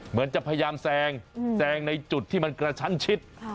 เหมือนจะพยายามแซงแซงในจุดที่มันกระชั้นชิด